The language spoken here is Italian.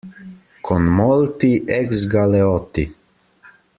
Con molti ex-galeotti.